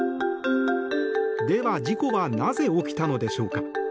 では、事故はなぜ起きたのでしょうか。